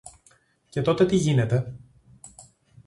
Και τότε τι γίνεται;